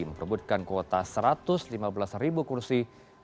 memperebutkan kuota satu ratus lima belas ribu kursi